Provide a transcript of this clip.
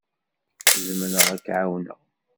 Zemreɣ ad k-ɛawneɣ?